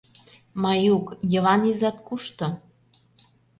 Маюк, Йыван изат кушто?